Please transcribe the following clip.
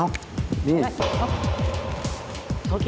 อ้าวนี่เอาไว้